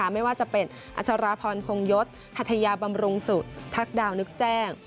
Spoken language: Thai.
ไม่ว่าจะเป็นอัชราพรคงยศหัทยาบำรุงสุทักดาวนึกแจ้ง